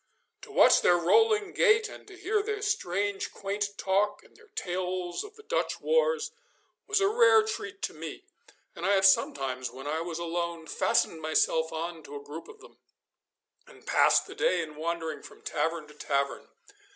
To watch their rolling gait, and to hear their strange, quaint talk, and their tales of the Dutch wars, was a rare treat to me; and I have sometimes when I was alone fastened myself on to a group of them, and passed the day in wandering from tavern to tavern.